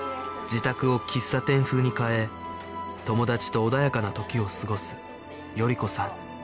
自宅を喫茶店風に変え友達と穏やかな時を過ごす賀子さん